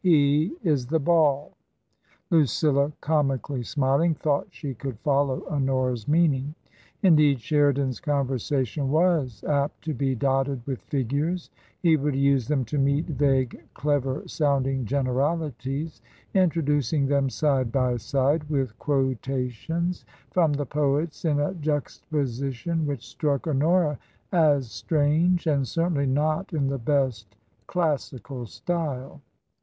He is the ball." it it 168 TRANSITION. Lucilla, comically smiling, thought she could follow Honora's meaning. Indeed, Sheridan's conversation was apt to be dotted with figures ; he would use them to meet vague clever sounding generalities, introducing them side by side with quotations from the poets in a juxtaposition which struck Honora as strange and certainly not in the best classical style.